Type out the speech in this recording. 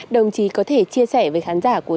đồng chí có thể chia sẻ với khán giả cuối